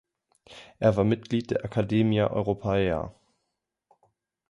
Er war Mitglied der Academia Europaea.